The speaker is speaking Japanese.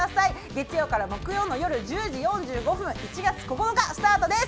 月曜から木曜の夜１０時４５分１月９日スタートです！